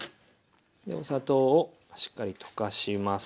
お砂糖をしっかり溶かします。